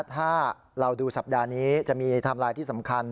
ถ้าเราดูสัปดาห์นี้จะมีไทม์ไลน์ที่สำคัญ